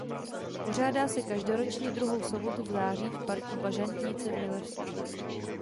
Pořádá se každoročně druhou sobotu v září v parku Bažantnice v Milevsku.